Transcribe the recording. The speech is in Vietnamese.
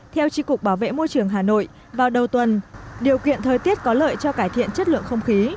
theo tri cục bảo vệ môi trường hà nội vào đầu tuần điều kiện thời tiết có lợi cho cải thiện chất lượng không khí